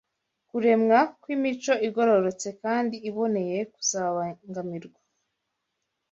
kuremwa kw’imico igororotse kandi iboneye kuzabangamirwa